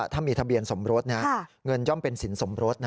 ถ้ามีทะเบียนสมรสเงินย่อมเป็นสินสมรส